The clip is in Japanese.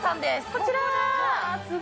こちら。